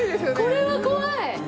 これは怖い！